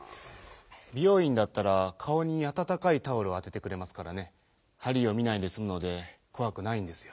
「びよういん」だったらかおにあたたかいタオルをあててくれますからねはりを見ないですむのでこわくないんですよ。